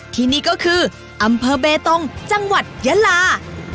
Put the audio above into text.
ที่นี่ก็คืออำเภอเบตงจังหวัดยะลา